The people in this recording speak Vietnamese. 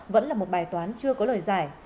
vẫn là một bài toán chưa có lời giải